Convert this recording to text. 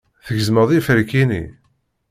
Tgezmeḍ iferki-nni?